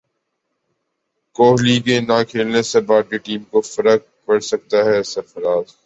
کوہلی کے نہ کھیلنے سے بھارتی ٹیم کو فرق پڑسکتا ہے سرفراز